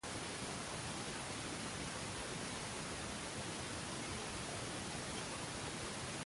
Luis Felipe I de Orleans le nombró embajador en Rusia.